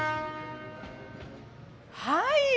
はい。